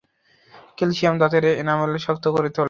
Calcium দাঁতের enamel শক্ত করে তোলে।